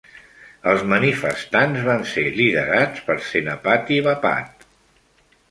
Els manifestants van ser liderats per Senapati Bapat.